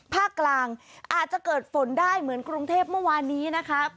ภาคกลางอาจจะเกิดฝนได้เหมือนกรุงเทพเมื่อวานนี้นะคะ